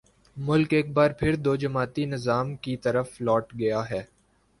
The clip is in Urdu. ملک ایک بار پھر دو جماعتی نظام کی طرف لوٹ گیا ہے۔